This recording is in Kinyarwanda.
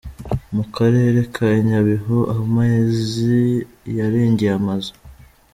Mu karere ka Nyabihu amazi yarengeye amazu.